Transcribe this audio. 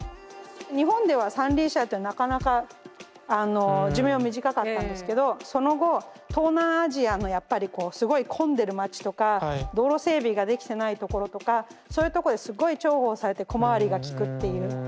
日本では三輪車ってなかなか寿命短かったんですけどその後東南アジアのやっぱりこうすごい混んでる街とか道路整備ができてないところとかそういうとこですごい重宝されて小回りが利くっていう。